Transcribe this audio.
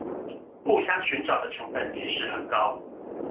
互相尋找的成本其實很高！